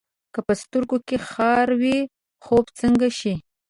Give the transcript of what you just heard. که په سترګو کې خار وي، خوب څنګه شي؟